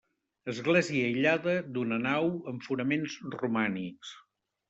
Església aïllada, d'una nau, amb fonaments romànics.